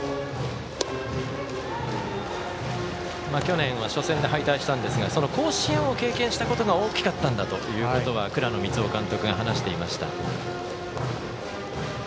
去年は初戦で敗退したんですがその甲子園を経験したことが大きかったんだということを倉野光生監督が話していました。